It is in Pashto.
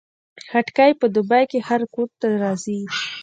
خټکی په دوبۍ کې هر کور ته راځي.